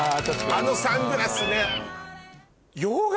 あのサングラスね。